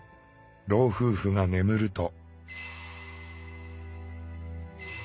老夫婦が眠ると。